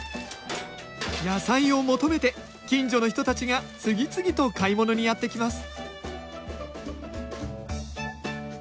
野菜を求めて近所の人たちが次々と買い物にやって来ます